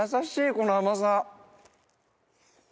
この甘さ。